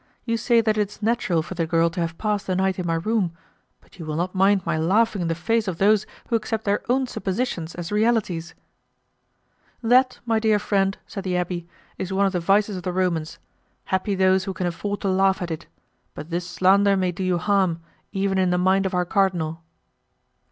You say that it is natural for the girl to have passed the night in my room, but you will not mind my laughing in the face of those who accept their own suppositions as realities." "That, my dear friend," said the abbé, "is one of the vices of the Romans; happy those who can afford to laugh at it; but this slander may do you harm, even in the mind of our cardinal."